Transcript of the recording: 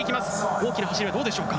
大きな走りはどうでしょうか。